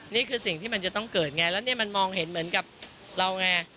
นี่คือสิ่งที่มันจะต้องเกิดไงแล้วเนี่ยมันมองเห็นเหมือนกับเราไง